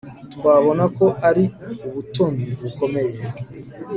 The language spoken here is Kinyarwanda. Twabona ko ari ubutoni bukomeye